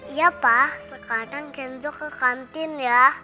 iya pa sekarang kenzo ke kantin ya